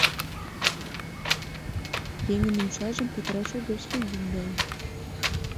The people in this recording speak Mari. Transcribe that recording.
Еҥын умшажым петыраш огеш лий, еҥгай.